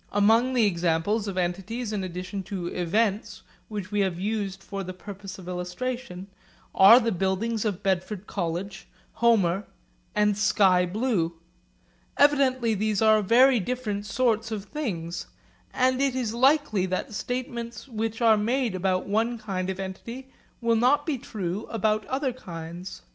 Among the examples of entities in addition to 'events' which we have used for the purpose of illustration are the buildings of Bedford College, Homer, and sky blue. Evidently these are very different sorts of things; and it is likely that statements which are made about one kind of entity will not be true about other kinds.